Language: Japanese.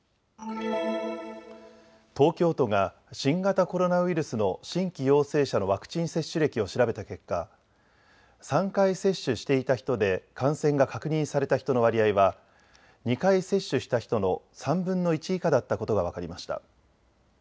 東京都が新型コロナウイルスの新規陽性者のワクチン接種歴を調べた結果３回接種していた人で感染が確認された人の割合は２回接種した人の３分の１以下だったことが分かりました。